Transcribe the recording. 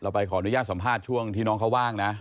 ไปขออนุญาตสัมภาษณ์ช่วงที่น้องเขาว่างนะ